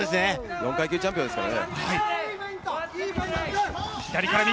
４階級チャンピオンですからね。